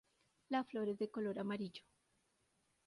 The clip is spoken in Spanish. La flor es de color amarillo.